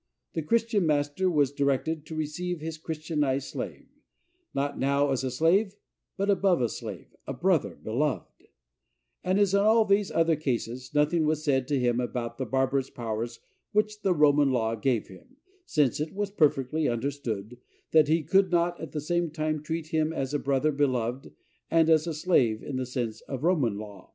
The Christian master was directed to receive his Christianized slave, "NOT now as a slave, but above a slave, a brother beloved;" and, as in all these other cases, nothing was said to him about the barbarous powers which the Roman law gave him, since it was perfectly understood that he could not at the same time treat him as a brother beloved and as a slave in the sense of Roman law.